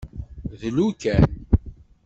Dlu kan.